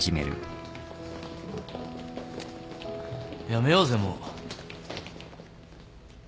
やめようぜもう。